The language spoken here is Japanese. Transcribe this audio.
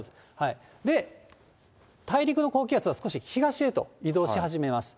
で、大陸の高気圧は少し東へと移動し始めます。